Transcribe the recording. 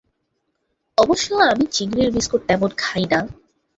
অবশ্য আমি চিংড়ির বিস্কুট তেমন খাইনা।